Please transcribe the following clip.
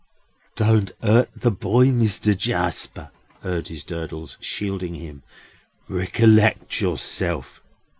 "Don't hurt the boy, Mister Jarsper," urges Durdles, shielding him. "Recollect yourself."